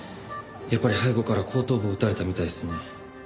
やっぱり背後から後頭部を撃たれたみたいですね。